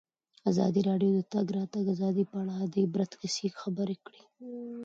ازادي راډیو د د تګ راتګ ازادي په اړه د عبرت کیسې خبر کړي.